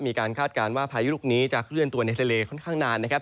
คาดการณ์ว่าพายุลูกนี้จะเคลื่อนตัวในทะเลค่อนข้างนานนะครับ